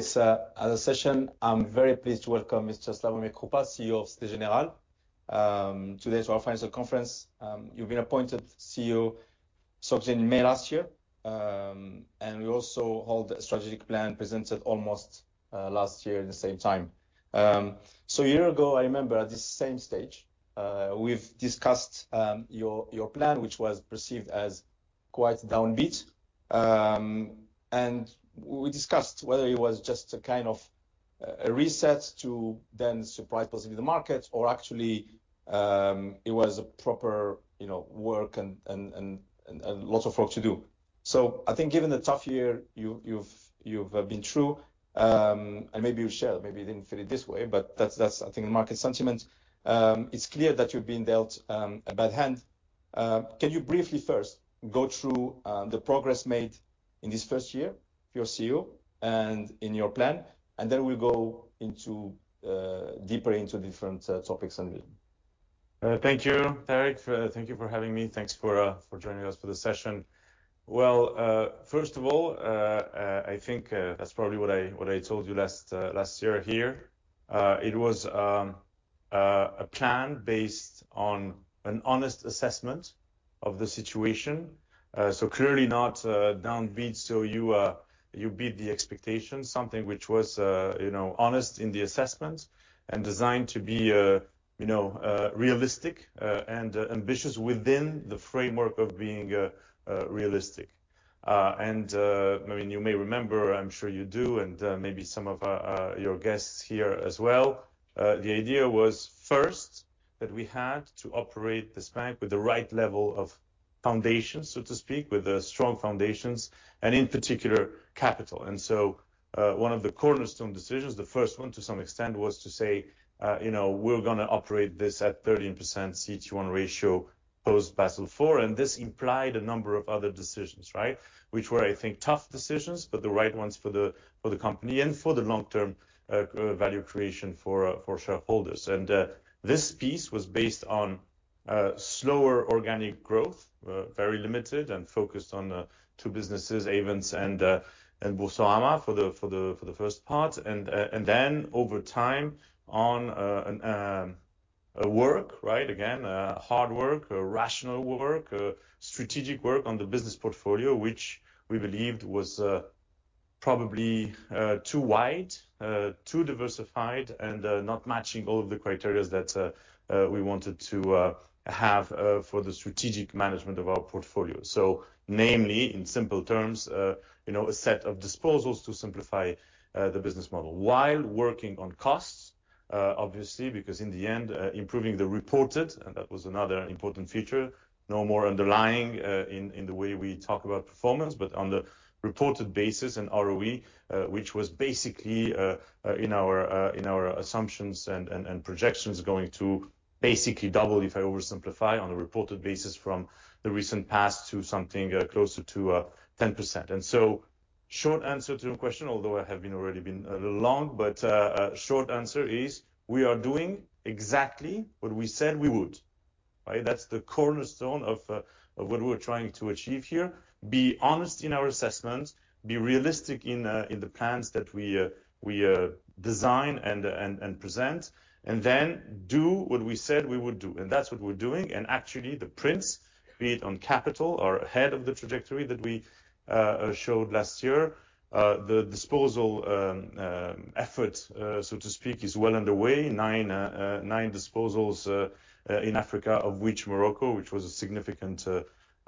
Thank you for attending this other session. I'm very pleased to welcome Mr. Slawomir Krupa, CEO of Société Générale. Today's our final conference. You've been appointed CEO, sort of in May last year. And we also hold a strategic plan presented almost last year in the same time. So a year ago, I remember at this same stage, we've discussed your plan, which was perceived as quite downbeat. And we discussed whether it was just a kind of a reset to then surprise possibly the market or actually it was a proper, you know, work and lots of work to do. So I think given the tough year you've been through, and maybe you share, maybe you didn't feel it this way, but that's, that's, I think, the market sentiment. It's clear that you've been dealt a bad hand. Can you briefly first go through the progress made in this first year for your CEO and in your plan, and then we'll go into deeper into different topics and then. Thank you, Tariq. Thank you for having me. Thanks for joining us for the session. Well, first of all, I think that's probably what I told you last year here. It was a plan based on an honest assessment of the situation. So clearly not downbeat, so you beat the expectation, something which was, you know, honest in the assessment and designed to be, you know, realistic, and ambitious within the framework of being realistic. And, I mean, you may remember, I'm sure you do, and maybe some of your guests here as well. The idea was, first, that we had to operate this bank with the right level of foundation, so to speak, with the strong foundations, and in particular, capital. And so, one of the cornerstone decisions, the first one to some extent, was to say, you know, we're gonna operate this at 13% CET1 ratio, post Basel IV, and this implied a number of other decisions, right? Which were, I think, tough decisions, but the right ones for the company and for the long-term value creation for shareholders. And this piece was based on slower organic growth, very limited and focused on two businesses, Ayvens and Boursorama for the first part. Then over time, a work, right, again, a hard work, a rational work, a strategic work on the business portfolio, which we believed was probably too wide, too diversified, and not matching all of the criteria that we wanted to have for the strategic management of our portfolio. So namely, in simple terms, you know, a set of disposals to simplify the business model. While working on costs, obviously, because in the end, improving the reported, and that was another important feature, no more underlying, in the way we talk about performance. But on the reported basis and ROE, which was basically, in our assumptions and projections, going to basically double, if I oversimplify, on a reported basis from the recent past to something, closer to, 10%. And so short answer to your question, although I have already been a little long, but, a short answer is, we are doing exactly what we said we would, right? That's the cornerstone of what we were trying to achieve here. Be honest in our assessments, be realistic in the plans that we design and present, and then do what we said we would do. And that's what we're doing, and actually, the prints made on capital are ahead of the trajectory that we showed last year. The disposal effort, so to speak, is well underway. Nine disposals in Africa, of which Morocco, which was a significant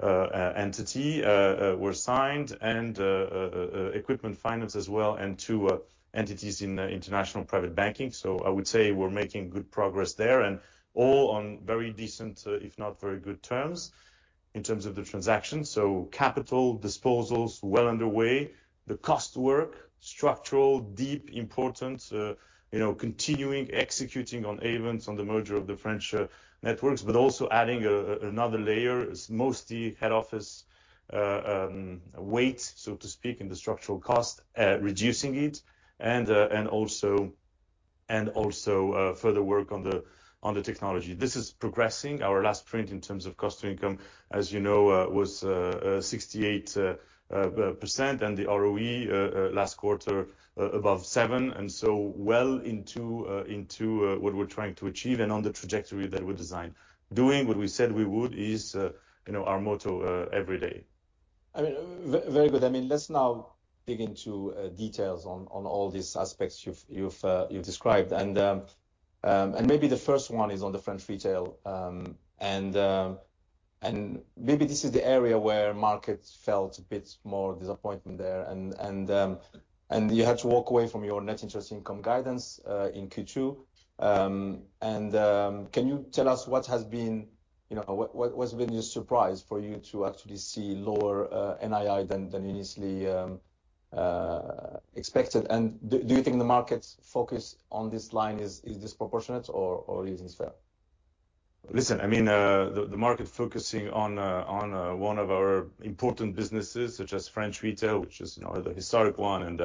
entity, were signed, and Equipment Finance as well, and two entities in international private banking, so I would say we're making good progress there, and all on very decent, if not very good terms, in terms of the transaction, so capital disposals well underway, the cost work, structural, deep, important, you know, continuing executing on Ayvens on the merger of the French networks, but also adding another layer is mostly head office weight, so to speak, in the structural cost, reducing it, and also further work on the technology. This is progressing. Our last print in terms of cost-to-income, as you know, was 68%, and the ROE last quarter above 7%, and so well into what we're trying to achieve and on the trajectory that we designed. Doing what we said we would is, you know, our motto every day. I mean, very good. I mean, let's now dig into details on all these aspects you've described. And maybe the first one is on the French Retail. And maybe this is the area where markets felt a bit more disappointment there. And you had to walk away from your net interest income guidance in Q2. Can you tell us what has been, you know, what's been a surprise for you to actually see lower NII than you initially expected? Do you think the market's focus on this line is disproportionate or is this fair? Listen, I mean, the market focusing on one of our important businesses, such as French Retail, which is, you know, the historic one and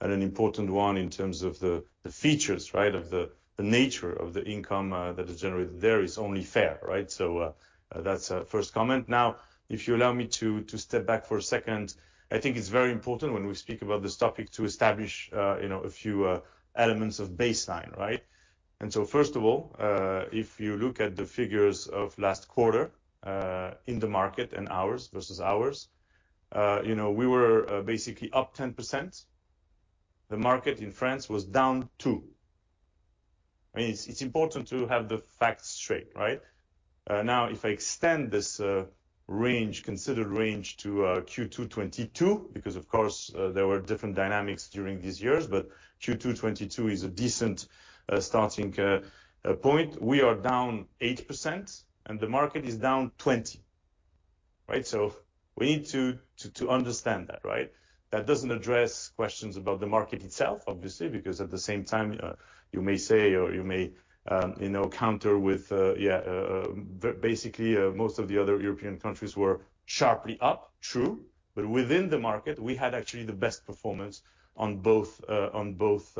an important one in terms of the features, right, of the nature of the income that is generated there, is only fair, right? So, that's a first comment. Now, if you allow me to step back for a second, I think it's very important when we speak about this topic, to establish, you know, a few elements of baseline, right? And so first of all, if you look at the figures of last quarter in the market, and ours, you know, we were basically up 10%. The market in France was down 2%. I mean, it's important to have the facts straight, right? Now, if I extend this range, considered range to Q2 2022, because, of course, there were different dynamics during these years, but Q2 2022 is a decent starting point. We are down 8%, and the market is down 20%, right? So we need to understand that, right? That doesn't address questions about the market itself, obviously, because at the same time, you may say or you may, you know, counter with, yeah, basically, most of the other European countries were sharply up. True, but within the market, we had actually the best performance on both, on both,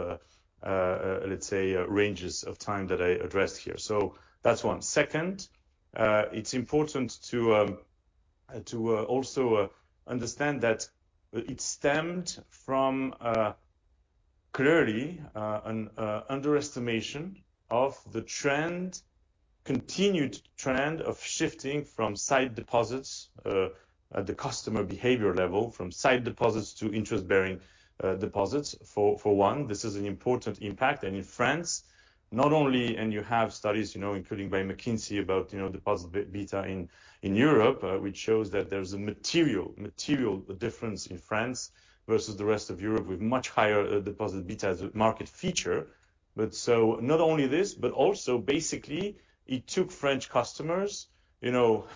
let's say, ranges of time that I addressed here. So that's one. Second, it's important to also understand that it stemmed from clearly an underestimation of the trend, continued trend of shifting from sight deposits at the customer behavior level, from sight deposits to interest-bearing deposits, for one. This is an important impact, and in France, not only... And you have studies, you know, including by McKinsey, about, you know, deposit beta in Europe, which shows that there's a material difference in France versus the rest of Europe, with much higher deposit beta as a market feature. But so not only this, but also basically, it took French customers, you know,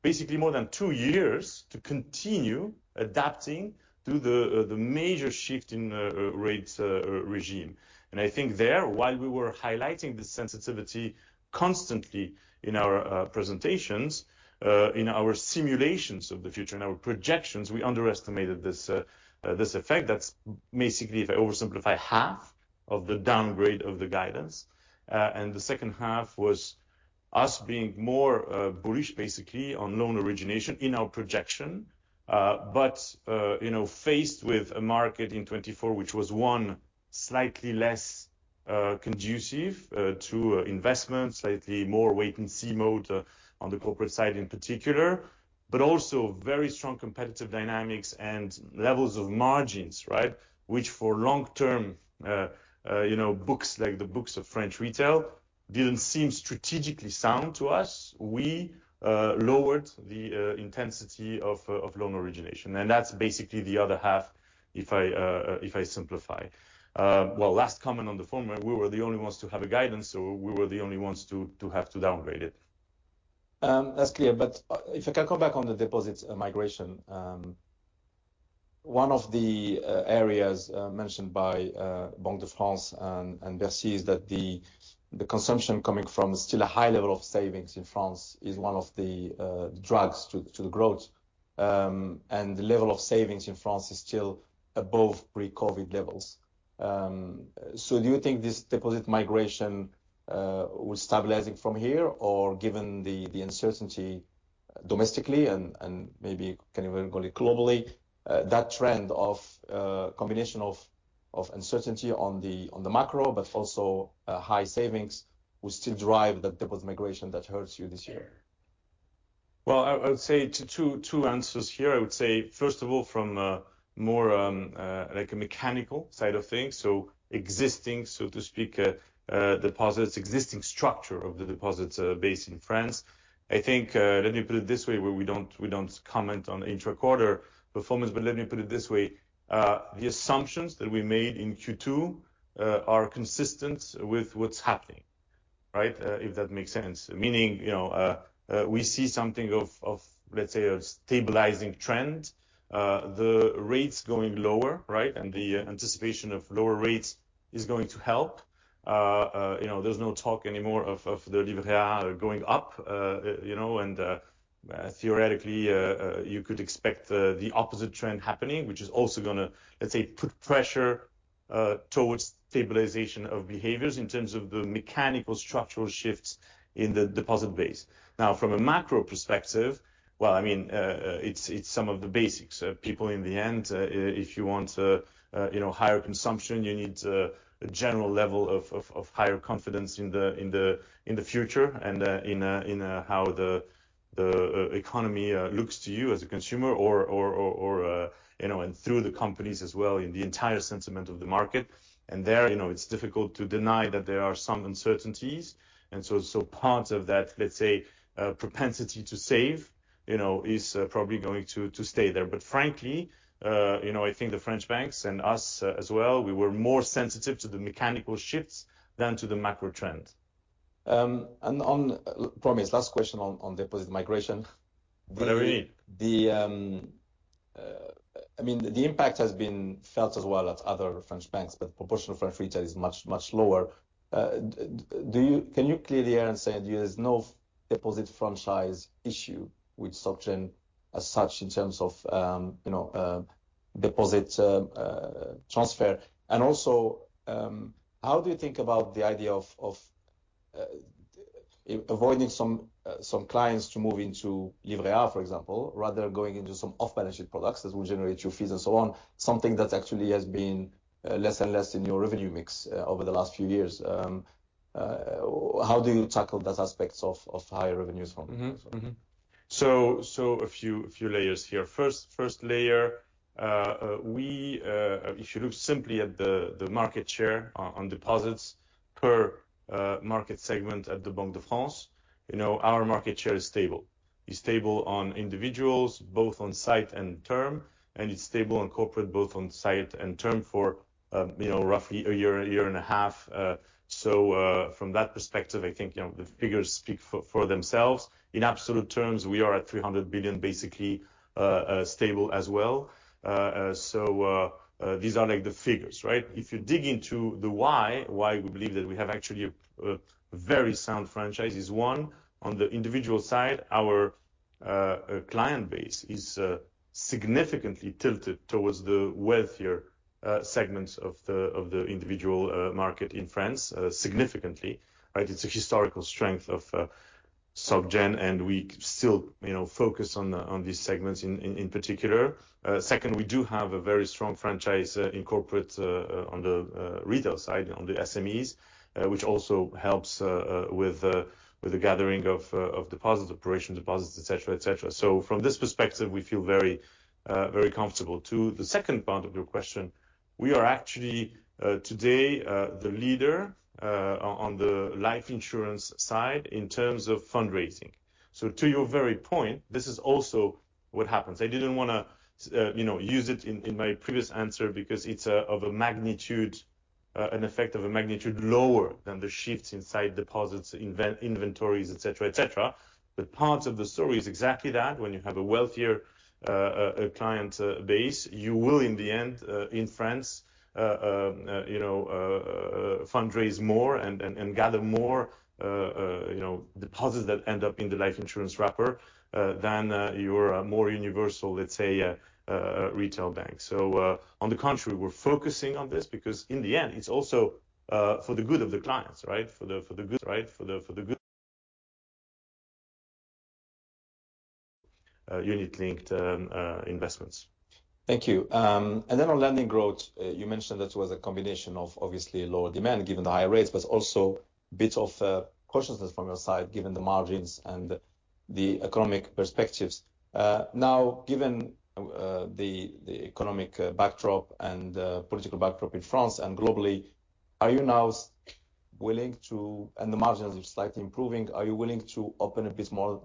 basically more than two years to continue adapting to the major shift in rates regime. I think there, while we were highlighting this sensitivity constantly in our presentations, in our simulations of the future and our projections, we underestimated this effect. That's basically, if I oversimplify, half of the downgrade of the guidance. And the second half was us being more bullish, basically, on loan origination in our projection. But you know, faced with a market in 2024, which was, one, slightly less conducive to investment, slightly more wait-and-see mode, on the corporate side in particular, but also very strong competitive dynamics and levels of margins, right? Which for long-term, you know, books like the books of French retail, didn't seem strategically sound to us. We lowered the intensity of loan origination, and that's basically the other half, if I simplify. Last comment on the format, we were the only ones to have a guidance, so we were the only ones to have to downgrade it. That's clear, but if I can come back on the deposits migration. One of the areas mentioned by Banque de France and Bercy is that the consumption coming from still a high level of savings in France is one of the drag on the growth. And the level of savings in France is still above pre-COVID levels. So do you think this deposit migration will stabilize from here, or given the uncertainty domestically and maybe can even call it globally, that trend of combination of uncertainty on the macro, but also high savings will still drive the deposit migration that hurts you this year? I would say two answers here. I would say, first of all, from more like a mechanical side of things, so existing, so to speak, deposits, existing structure of the deposits base in France. I think, let me put it this way, we don't comment on intra-quarter performance, but let me put it this way, the assumptions that we made in Q2 are consistent with what's happening, right? If that makes sense. Meaning, you know, we see something of, let's say, a stabilizing trend. The rates going lower, right, and the anticipation of lower rates is going to help. You know, there's no talk anymore of the Livret going up, you know, and theoretically you could expect the opposite trend happening, which is also gonna, let's say, put pressure towards stabilization of behaviors in terms of the mechanical structural shifts in the deposit base. Now, from a macro perspective, well, I mean, it's some of the basics. People, in the end, if you want, you know, higher consumption, you need a general level of higher confidence in the future, and in how the economy looks to you as a consumer or, you know, and through the companies as well, in the entire sentiment of the market. There, you know, it's difficult to deny that there are some uncertainties, and so part of that, let's say, propensity to save, you know, is probably going to stay there. But frankly, you know, I think the French banks and us, as well, we were more sensitive to the mechanical shifts than to the macro trend. I promise, last question on deposit migration. Whatever you need. I mean, the impact has been felt as well at other French banks, but proportional French retail is much, much lower. Can you clear the air and say there's no deposit franchise issue with SocGen as such, in terms of, you know, deposit transfer? And also, how do you think about the idea of avoiding some clients to move into Livret A, for example, rather going into some off-balance-sheet products that will generate you fees and so on, something that actually has been less and less in your revenue mix over the last few years. How do you tackle those aspects of higher revenues from? Mm-hmm, mm-hmm. So a few layers here. First layer, we if you look simply at the market share on deposits per market segment at the Banque de France, you know, our market share is stable. It's stable on individuals, both on sight and term, and it's stable on corporate, both on sight and term for, you know, roughly a year, a year and a half. So from that perspective, I think, you know, the figures speak for themselves. In absolute terms, we are at 300 billion, basically, stable as well. So these are, like, the figures, right? If you dig into the why why we believe that we have actually a very sound franchise is, one, on the individual side, our client base is significantly tilted towards the wealthier segments of the individual market in France, significantly. Right? It's a historical strength of Soc Gen, and we still, you know, focus on these segments in particular. Second, we do have a very strong franchise in corporate on the retail side, on the SMEs, which also helps with the gathering of deposits, operational deposits, et cetera, et cetera. So from this perspective, we feel very comfortable. To the second part of your question, we are actually today the leader on the life insurance side in terms of fundraising. So to your very point, this is also what happens. I didn't wanna, you know, use it in my previous answer because it's of a magnitude, an effect of a magnitude lower than the shifts in sights deposits, inventories, et cetera, et cetera. But part of the story is exactly that. When you have a wealthier client base, you will, in the end, in France, you know, fundraise more and gather more, you know, deposits that end up in the life insurance wrapper than your more universal, let's say, retail bank. So, on the contrary, we're focusing on this because in the end, it's also for the good of the clients, right? For the good, right, for the good unit-linked investments. Thank you, and then on lending growth, you mentioned that was a combination of obviously lower demand, given the higher rates, but also bit of cautiousness from your side, given the margins and the economic perspectives. Now, given the economic backdrop and political backdrop in France and globally, are you now willing to... and the margins are slightly improving, are you willing to open a bit more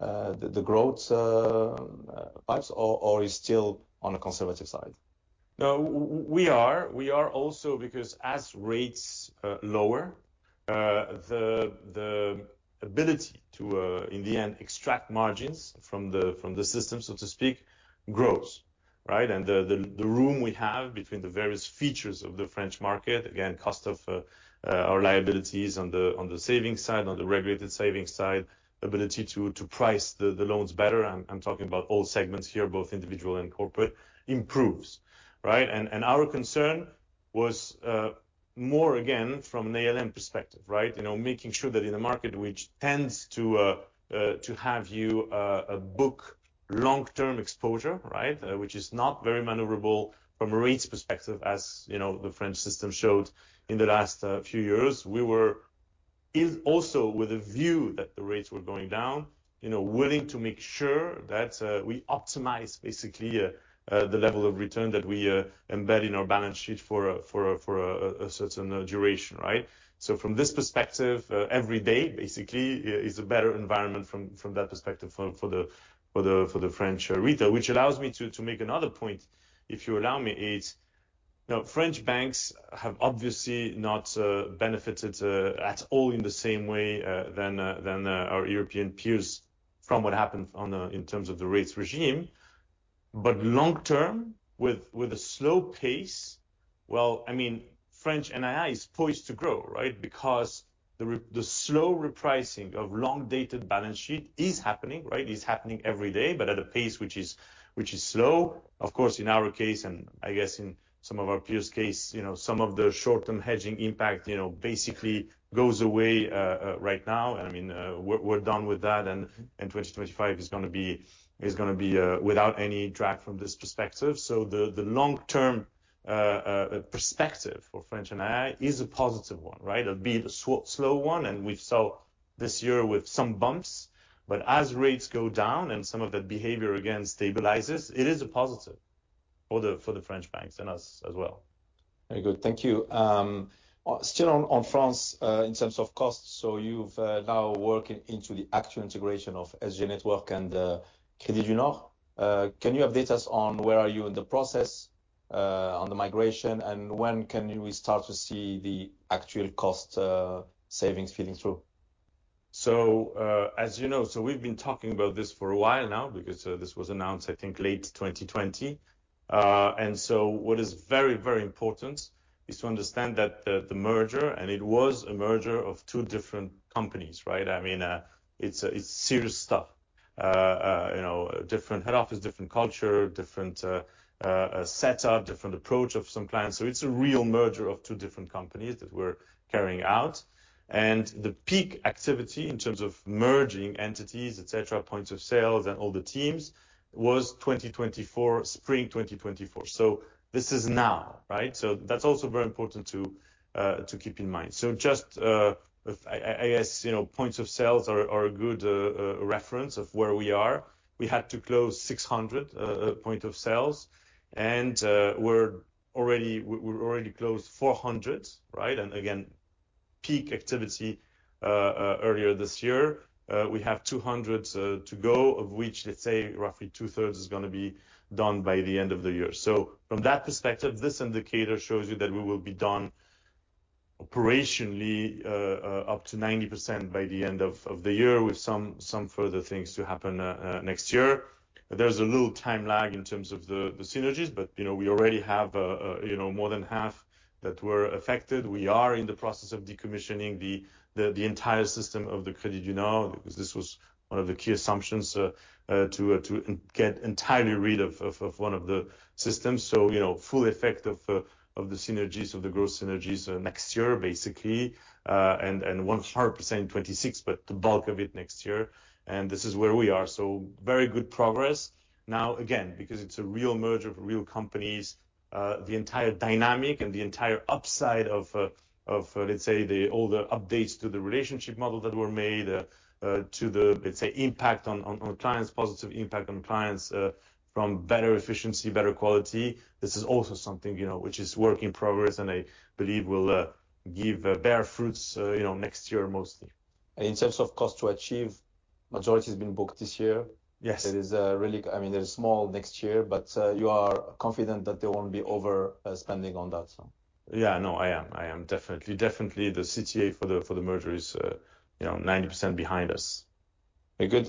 the growth pipes, or is still on the conservative side? No, we are. We are also because as rates lower, the ability to, in the end, extract margins from the system, so to speak, grows, right? And the room we have between the various features of the French market, again, cost of our liabilities on the savings side, on the regulated savings side, ability to price the loans better, I'm talking about all segments here, both individual and corporate, improves, right? And our concern was more, again, from an ALM perspective, right? You know, making sure that in a market which tends to have you book long-term exposure, right, which is not very maneuverable from a rates perspective, as you know, the French system showed in the last few years. We were, is also with a view that the rates were going down, you know, willing to make sure that we optimize basically the level of return that we embed in our balance sheet for a certain duration, right? So from this perspective, every day, basically, is a better environment from that perspective, for the French retail. Which allows me to make another point, if you allow me, is, you know, French banks have obviously not benefited at all in the same way than our European peers from what happened on the... in terms of the rates regime. But long term, with a slow pace, well, I mean, French NII is poised to grow, right? Because the slow repricing of long-dated balance sheet is happening, right, is happening every day, but at a pace which is slow. Of course, in our case, and I guess in some of our peers' case, you know, some of the short-term hedging impact, you know, basically goes away right now. I mean, we're done with that, and 2025 is gonna be without any drag from this perspective. So the long-term perspective for French NII is a positive one, right? It'll be the slow one, and we saw this year with some bumps, but as rates go down and some of the behavior again stabilizes, it is a positive for the French banks and us as well. Very good. Thank you. Still on France, in terms of costs, so you've now working into the actual integration of SG Network and Crédit du Nord. Can you update us on where are you in the process, on the migration, and when can we start to see the actual cost savings feeding through? So, as you know, so we've been talking about this for a while now because this was announced, I think, late 2020. And so what is very, very important is to understand that the, the merger, and it was a merger of two different companies, right? I mean, it's, it's serious stuff, you know, different head office, different culture, different setup, different approach of some clients. So it's a real merger of two different companies that we're carrying out. And the peak activity in terms of merging entities, et cetera, points of sales and all the teams, was 2024, spring 2024. So this is now, right? So that's also very important to, to keep in mind. Just, I guess, you know, points of sale are a good reference of where we are. We had to close 600 points of sale, and we're already. We've already closed 400, right? Again, peak activity earlier this year. We have 200 to go, of which, let's say, roughly two-thirds is gonna be done by the end of the year. From that perspective, this indicator shows you that we will be done operationally up to 90% by the end of the year, with some further things to happen next year. There's a little time lag in terms of the synergies, but, you know, we already have, you know, more than half that were affected. We are in the process of decommissioning the entire system of the Crédit du Nord, because this was one of the key assumptions to get entirely rid of one of the systems, so you know, full effect of the synergies of the growth synergies next year, basically, and 100% in 2026, but the bulk of it next year and this is where we are, so very good progress. Now, again, because it's a real merger of real companies, the entire dynamic and the entire upside of, let's say, all the updates to the relationship model that were made, to the, let's say, impact on clients, positive impact on clients, from better efficiency, better quality. This is also something, you know, which is work in progress, and I believe will bear fruits, you know, next year, mostly. In terms of cost to achieve, majority has been booked this year? Yes. It is really... I mean, there is small next year, but you are confident that there won't be over spending on that, so. Yeah, no, I am. I am definitely, definitely the CTA for the, for the merger is, you know, 90% behind us. Very good.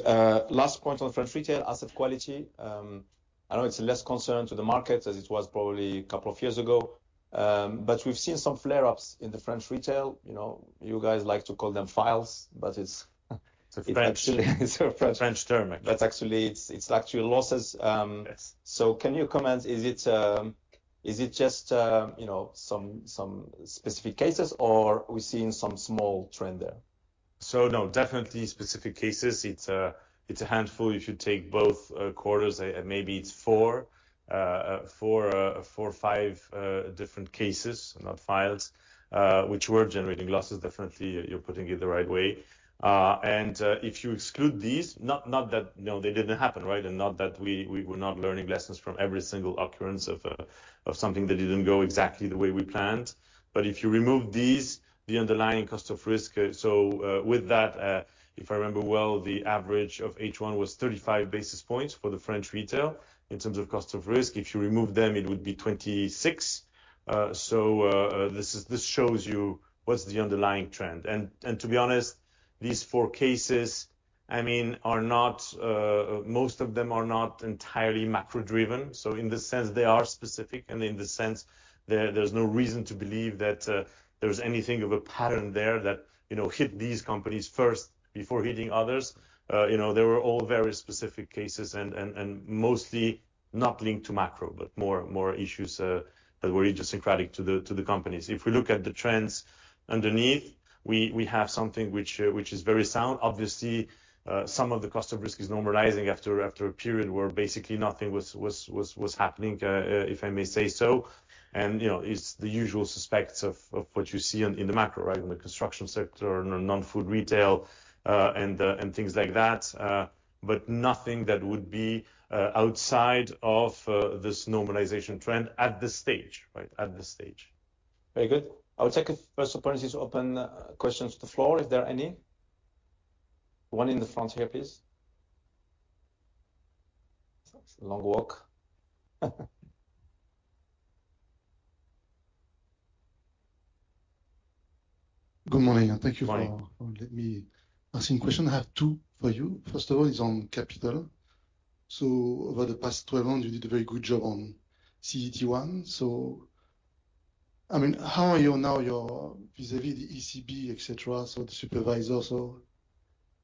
Last point on French Retail, asset quality. I know it's less concern to the market as it was probably a couple of years ago, but we've seen some flare-ups in the French Retail. You know, you guys like to call them files, but it's It's a French- Actually, it's a French- French term, actually. But actually it's actually losses. Yes. So can you comment, is it just, you know, some specific cases, or we're seeing some small trend there? So no, definitely specific cases. It's a handful. If you take both quarters, and maybe it's four or five different cases, not files, which were generating losses, definitely, you're putting it the right way. And if you exclude these, not that, you know, they didn't happen, right? And not that we were not learning lessons from every single occurrence of something that didn't go exactly the way we planned. But if you remove these, the underlying cost of risk. So with that, if I remember well, the average of H1 was 35 basis points for the French retail. In terms of cost of risk, if you remove them, it would be 26. So this shows you what's the underlying trend. To be honest, these four cases, I mean, most of them are not entirely macro-driven. So in this sense, they are specific, and in the sense there, there's no reason to believe that there's anything of a pattern there that, you know, hit these companies first before hitting others. You know, they were all very specific cases and mostly not linked to macro, but more issues that were idiosyncratic to the companies. If we look at the trends underneath, we have something which is very sound. Obviously, some of the cost of risk is normalizing after a period where basically nothing was happening, if I may say so. You know, it's the usual suspects of what you see in the macro, right? In the construction sector, and in non-food retail, and things like that, but nothing that would be outside of this normalization trend at this stage, right? At this stage. Very good. I'll take a first opportunity to open questions to the floor, if there are any. One in the front here, please. It's a long walk. Good morning, and thank you for- Good morning. Let me ask a question. I have two for you. First of all, it's on capital. So over the past 12 months, you did a very good job on CET1. So, I mean, how are you now, you're vis-à-vis the ECB, et cetera, so the supervisor? So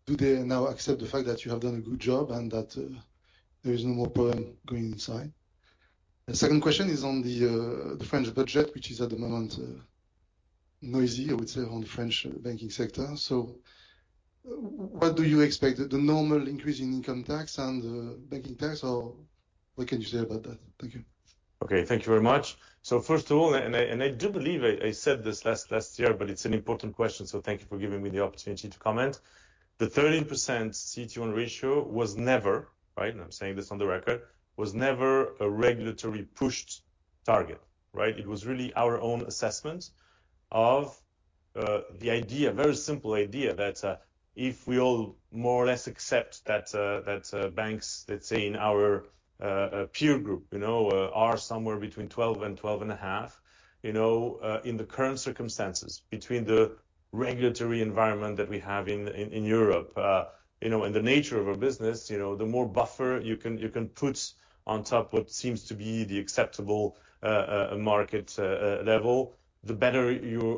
do they now accept the fact that you have done a good job and that, there is no more problem going inside? The second question is on the, the French budget, which is at the moment, noisy, I would say, on the French banking sector. So what do you expect, the normal increase in income tax and, banking tax, or what can you say about that? Thank you. Okay. Thank you very much. So first of all, and I do believe I said this last year, but it's an important question, so thank you for giving me the opportunity to comment. The 13% CET1 ratio was never, right, and I'm saying this on the record, a regulatory pushed target, right? It was really our own assessment of the idea, very simple idea, that if we all more or less accept that banks, let's say, in our peer group, you know, are somewhere between 12 and 12.5, you know, in the current circumstances, between the regulatory environment that we have in Europe, you know, and the nature of our business, you know, the more buffer you can put on top what seems to be the acceptable market level, the better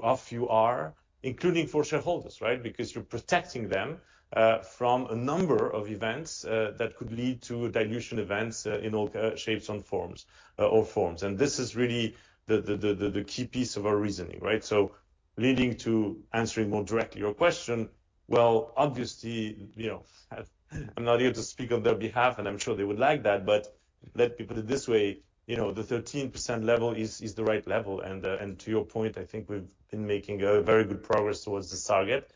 off you are, including for shareholders, right? Because you're protecting them from a number of events that could lead to dilution events in all shapes and forms, or forms. And this is really the key piece of our reasoning, right? So-... Leading to answering more directly your question, well, obviously, you know, I'm not here to speak on their behalf, and I'm sure they would like that, but let me put it this way: you know, the 13% level is the right level. And to your point, I think we've been making very good progress towards this target,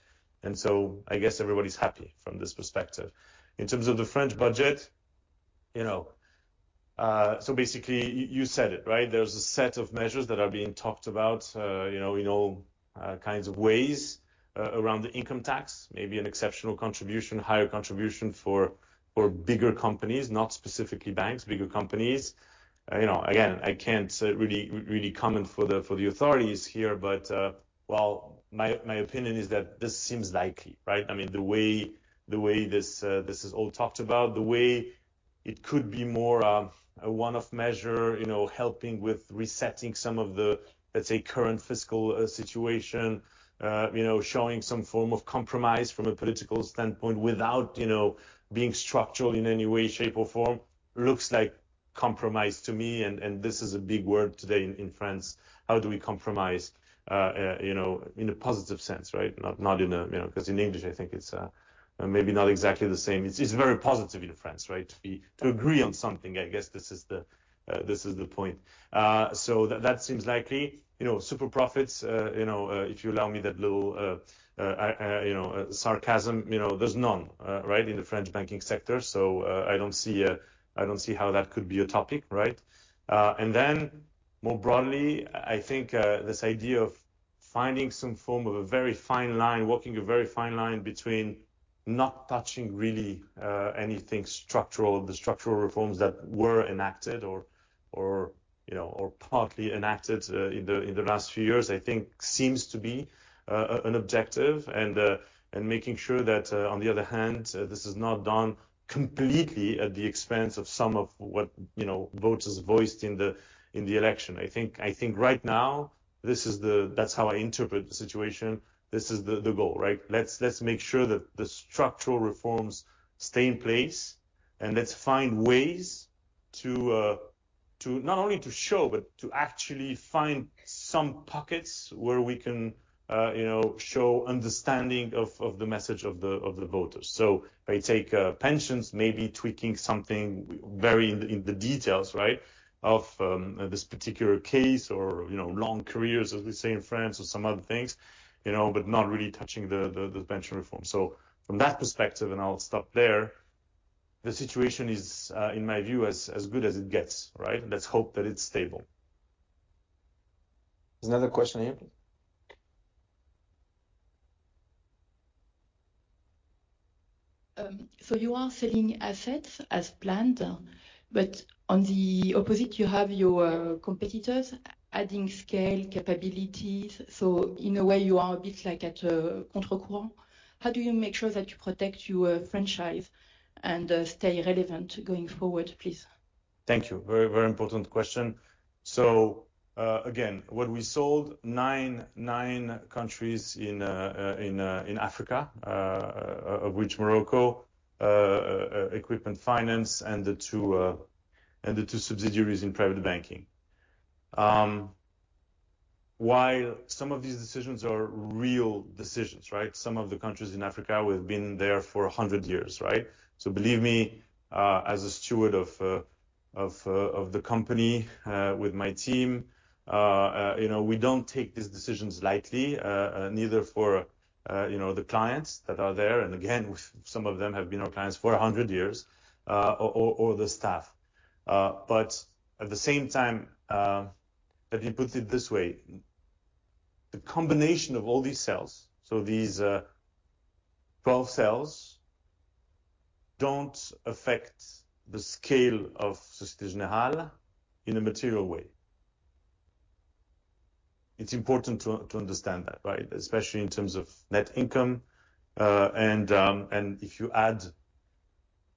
and so I guess everybody's happy from this perspective. In terms of the French budget, you know, so basically, you said it, right? There's a set of measures that are being talked about, you know, in all kinds of ways, around the income tax, maybe an exceptional contribution, higher contribution for bigger companies, not specifically banks, bigger companies. You know, again, I can't really comment for the authorities here, but, well, my opinion is that this seems likely, right? I mean, the way this is all talked about, the way it could be more a one-off measure, you know, helping with resetting some of the, let's say, current fiscal situation. You know, showing some form of compromise from a political standpoint without, you know, being structural in any way, shape, or form, looks like compromise to me, and this is a big word today in France. How do we compromise, you know, in a positive sense, right? Not in a... You know, 'cause in English, I think it's maybe not exactly the same. It's very positive in France, right? To agree on something, I guess this is the, this is the point. So that seems likely. You know, super profits, you know, if you allow me that little, you know, sarcasm, you know, there's none, right? In the French banking sector. So, I don't see how that could be a topic, right? And then, more broadly, I think, this idea of finding some form of a very fine line, walking a very fine line between not touching really anything structural, the structural reforms that were enacted or, you know, or partly enacted, in the last few years, I think seems to be an objective. And making sure that, on the other hand, this is not done completely at the expense of some of what, you know, voters voiced in the election. I think right now, this is the... That's how I interpret the situation. This is the goal, right? Let's make sure that the structural reforms stay in place, and let's find ways to not only show, but to actually find some pockets where we can, you know, show understanding of the message of the voters. So I take pensions, maybe tweaking something very in the details, right, of this particular case or, you know, long careers, as we say in France, or some other things, you know, but not really touching the pension reform. So from that perspective, and I'll stop there, the situation is, in my view, as good as it gets, right? Let's hope that it's stable. There's another question here. So you are selling assets as planned, but on the opposite, you have your competitors adding scale, capabilities. So in a way, you are a bit like at contre-courant. How do you make sure that you protect your franchise and stay relevant going forward, please? Thank you. Very, very important question. So, again, what we sold nine countries in Africa, of which Morocco, Equipment Finance and the two subsidiaries in private banking. While some of these decisions are real decisions, right? Some of the countries in Africa, we've been there for a hundred years, right? So believe me, as a steward of the company, with my team, you know, we don't take these decisions lightly, neither for, you know, the clients that are there, and again, some of them have been our clients for a hundred years, or the staff. But at the same time, let me put it this way, the combination of all these sales, so these twelve sales, don't affect the scale of Société Générale in a material way. It's important to understand that, right? Especially in terms of net income. And if you add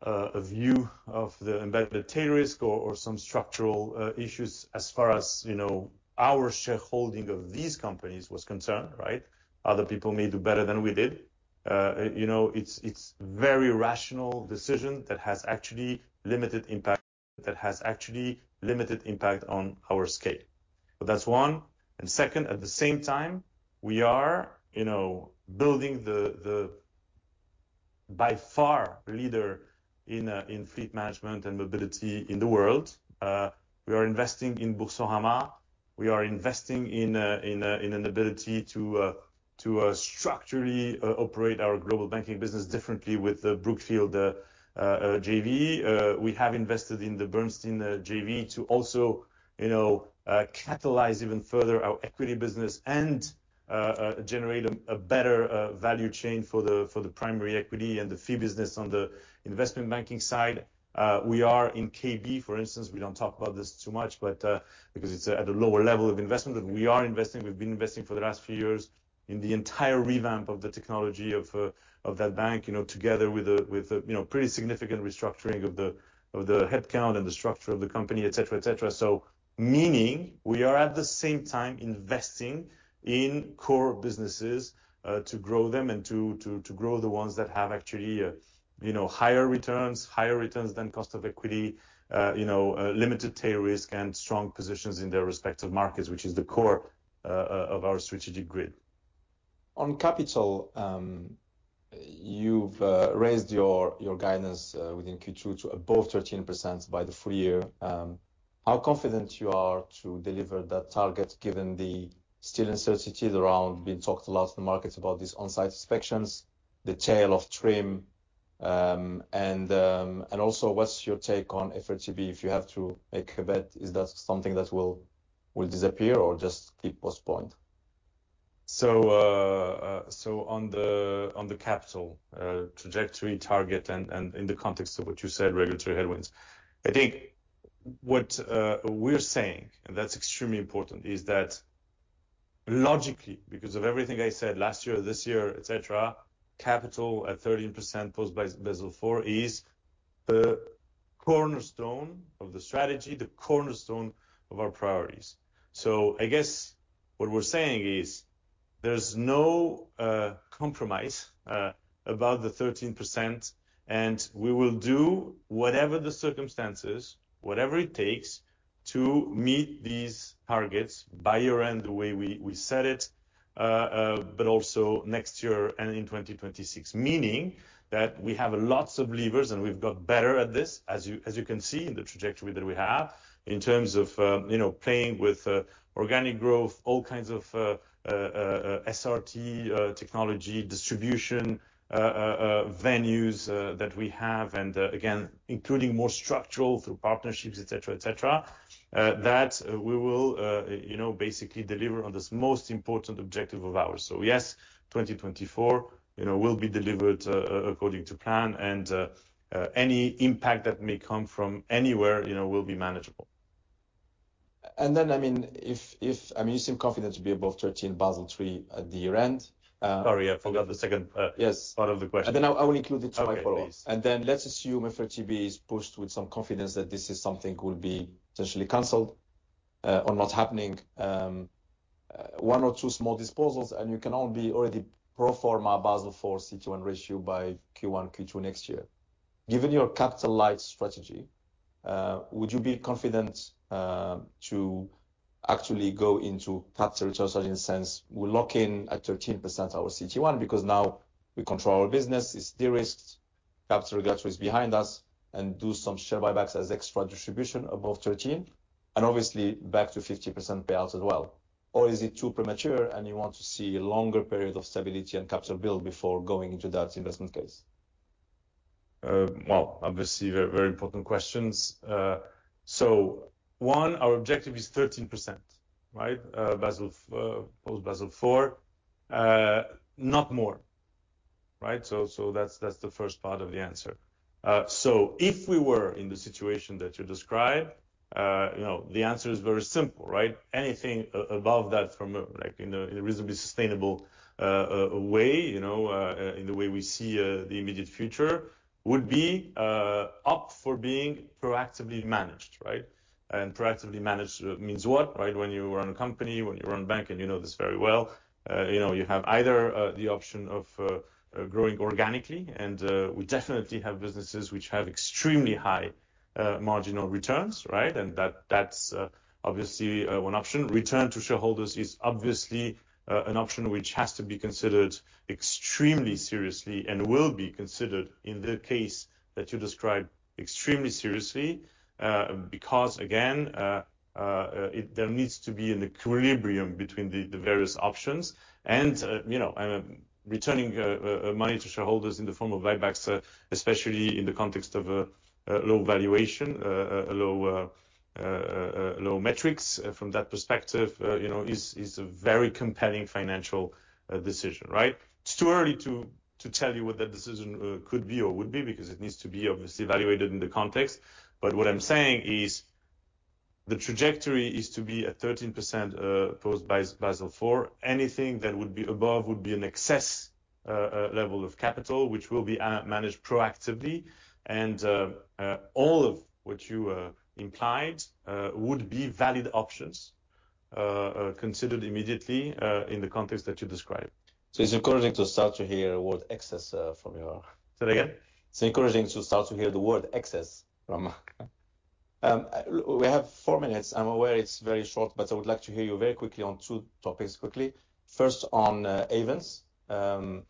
a view of the embedded tail risk or some structural issues as far as, you know, our shareholding of these companies was concerned, right? Other people may do better than we did. You know, it's very rational decision that has actually limited impact on our scale. But that's one, and second, at the same time, we are, you know, building the by far leader in fleet management and mobility in the world. We are investing in Boursorama. We are investing in an ability to structurally operate our global banking business differently with the Brookfield JV. We have invested in the Bernstein JV to also, you know, catalyze even further our equity business and generate a better value chain for the primary equity and the fee business on the investment banking side. We are in KB, for instance, we don't talk about this too much, but because it's at a lower level of investment, but we are investing, we've been investing for the last few years in the entire revamp of the technology of that bank, you know, together with a pretty significant restructuring of the headcount and the structure of the company, et cetera, et cetera. Meaning, we are at the same time investing in core businesses to grow them and to grow the ones that have actually, you know, higher returns than cost of equity, you know, limited tail risk and strong positions in their respective markets, which is the core of our strategic grid. ...On capital, you've raised your guidance within Q2 to above 13% by the full year. How confident you are to deliver that target, given the still uncertainties around, we've talked a lot in the markets about these on-site inspections, the tail of TRIM? And also, what's your take on FRTB, if you have to make a bet, is that something that will disappear or just keep postponed? On the capital trajectory target and in the context of what you said, regulatory headwinds. I think what we're saying, and that's extremely important, is that logically, because of everything I said last year, this year, et cetera, capital at 13% post-Basel IV is the cornerstone of the strategy, the cornerstone of our priorities. So I guess what we're saying is there's no compromise about the 13%, and we will do whatever the circumstances, whatever it takes, to meet these targets by year-end, the way we said it, but also next year and in 2026. Meaning that we have lots of levers, and we've got better at this, as you can see in the trajectory that we have, in terms of, you know, playing with organic growth, all kinds of SRT, technology, distribution venues that we have, and again, including more structural through partnerships, et cetera, et cetera, that we will you know basically deliver on this most important objective of ours. So, yes, 2024 you know will be delivered according to plan, and any impact that may come from anywhere, you know, will be manageable. And then, I mean, if I mean, you seem confident to be above 13 Basel III at the year-end. Sorry, I forgot the second, Yes. Part of the question. And then I will include it to my follow-up. Okay, please. And then let's assume FRTB is pushed with some confidence that this is something will be potentially canceled, or not happening, one or two small disposals, and you can all be already pro forma Basel IV CET1 ratio by Q1, Q2 next year. Given your capital light strategy, would you be confident, to actually go into capital return, in a sense, we lock in at 13% our CET1, because now we control our business, it's de-risked, capital regulatory is behind us, and do some share buybacks as extra distribution above 13, and obviously back to 50% payouts as well? Or is it too premature and you want to see a longer period of stability and capital build before going into that investment case? Well, obviously, they're very important questions. So one, our objective is 13%, right? Basel, post-Basel IV, not more, right? So that's the first part of the answer. So if we were in the situation that you described, you know, the answer is very simple, right? Anything above that from a, like, in a reasonably sustainable way, you know, in the way we see the immediate future, would be up for being proactively managed, right? And proactively managed means what, right? When you run a company, when you run a bank, and you know this very well, you know, you have either the option of growing organically, and we definitely have businesses which have extremely high marginal returns, right? And that's obviously one option. Return to shareholders is obviously an option which has to be considered extremely seriously and will be considered, in the case that you described, extremely seriously, because, again, there needs to be an equilibrium between the various options. You know, returning money to shareholders in the form of buybacks, especially in the context of low valuation, low metrics from that perspective, you know, is a very compelling financial decision, right? It's too early to tell you what that decision could be or would be, because it needs to be, obviously, evaluated in the context. But what I'm saying is, the trajectory is to be at 13%, post-Basel IV. Anything that would be above would be an excess level of capital, which will be managed proactively, and all of what you implied would be valid options considered immediately in the context that you described. So it's encouraging to start to hear the word 'excess', from you all. Say that again? It's encouraging to start to hear the word 'excess' from... We have four minutes. I'm aware it's very short, but I would like to hear you very quickly on two topics quickly. First, on Ayvens. Are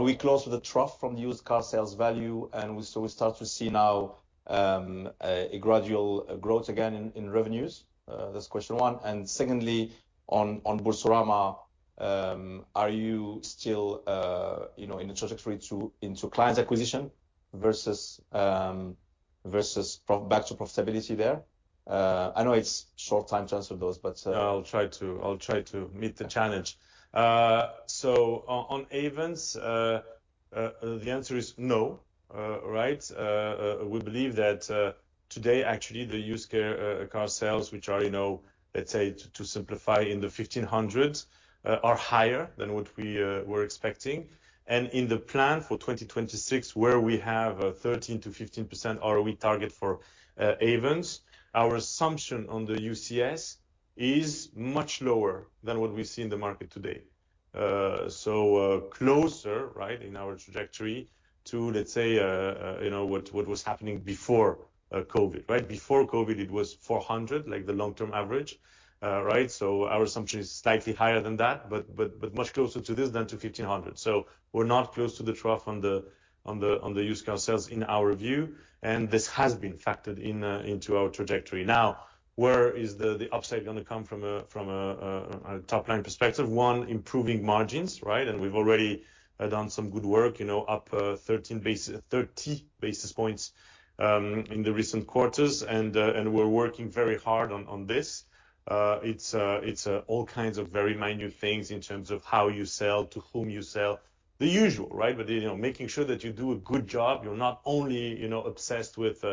we close to the trough from the used car sales value, and so we start to see now a gradual growth again in revenues? That's question one. And secondly, on Boursorama, are you still, you know, in the trajectory to client acquisition versus back to profitability there? I know it's short time to answer those, but. I'll try to meet the challenge. So on Ayvens, the answer is no, right? We believe that today, actually, the used car sales, which are, you know, let's say, to simplify, in the 1,500, are higher than what we were expecting. And in the plan for 2026, where we have a 13%-15% ROE target for Ayvens, our assumption on the UCS is much lower than what we see in the market today. So closer, right, in our trajectory to, let's say, you know, what was happening before COVID, right? Before COVID, it was 400, like, the long-term average, right? So our assumption is slightly higher than that, but much closer to this than to 1,500. So we're not close to the trough on the used car sales in our view, and this has been factored into our trajectory. Now, where is the upside gonna come from a top-line perspective? One, improving margins, right? And we've already done some good work, you know, up 30 basis points in the recent quarters, and we're working very hard on this. It's all kinds of very minute things in terms of how you sell, to whom you sell. The usual, right? But, you know, making sure that you do a good job, you're not only, you know, obsessed with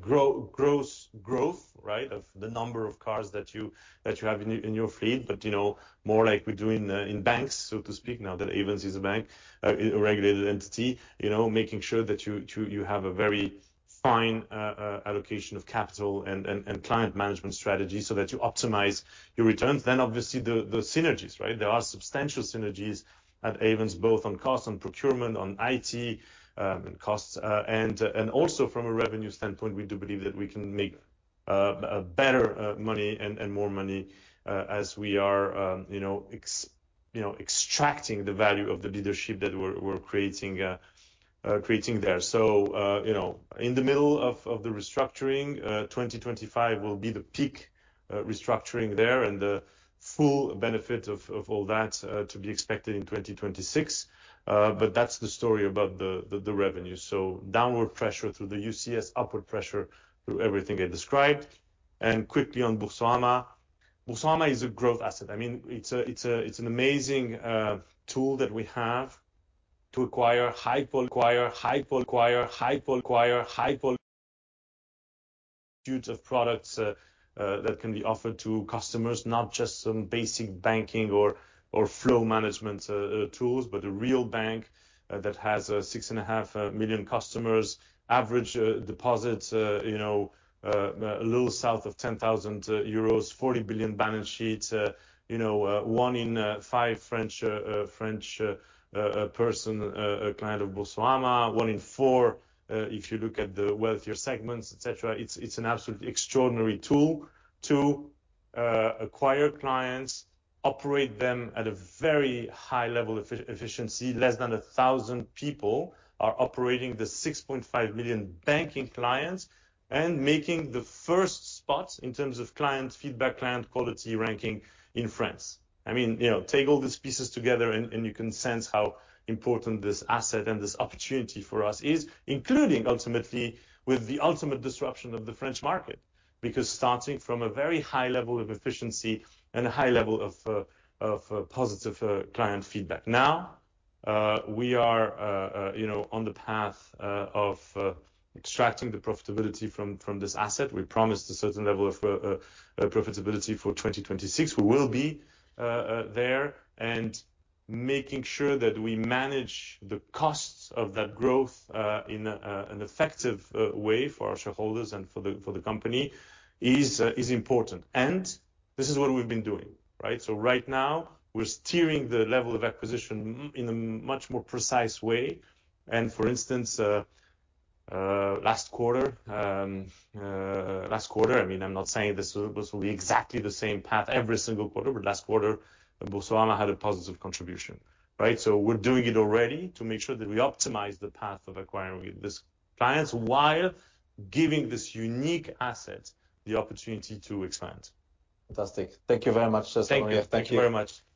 gross growth, right, of the number of cars that you have in your fleet, but you know, more like we do in banks, so to speak, now that Ayvens is a bank, a regulated entity. You know, making sure that you have a very fine allocation of capital and client management strategy so that you optimize your returns. Then, obviously, the synergies, right? There are substantial synergies at Ayvens, both on cost and procurement, on IT, and costs. And also from a revenue standpoint, we do believe that we can make better money and more money as we are, you know, ex... You know, extracting the value of the leadership that we're creating there, so you know, in the middle of the restructuring, 2025 will be the peak restructuring there, and the full benefit of all that to be expected in 2026, but that's the story about the revenue, so downward pressure through the UCS, upward pressure through everything I described, and quickly on Boursorama. Boursorama is a growth asset. I mean, it's an amazing tool that we have to acquire huge of products that can be offered to customers, not just some basic banking or flow management tools, but a real bank that has 6.5 million customers. Average deposits, you know, a little south of 10,000 euros, 40 billion balance sheets. You know, one in five French persons a client of Boursorama, one in four, if you look at the wealthier segments, et cetera. It's an absolutely extraordinary tool to acquire clients, operate them at a very high level efficiency. Less than 1,000 people are operating the 6.5 million banking clients and making the first spot in terms of client feedback, client quality ranking in France. I mean, you know, take all these pieces together and you can sense how important this asset and this opportunity for us is, including ultimately with the ultimate disruption of the French market, because starting from a very high level of efficiency and a high level of positive client feedback. Now, we are, you know, on the path of extracting the profitability from this asset. We promised a certain level of profitability for 2026. We will be there and making sure that we manage the costs of that growth in an effective way for our shareholders and for the company is important. And this is what we've been doing, right? So right now, we're steering the level of acquisition in a much more precise way. For instance, last quarter, I mean, I'm not saying this will be exactly the same path every single quarter, but last quarter, Boursorama had a positive contribution, right? So we're doing it already to make sure that we optimize the path of acquiring these clients while giving this unique asset the opportunity to expand. Fantastic. Thank you very much, Slawomir. Thank you. Thank you very much. Thank you.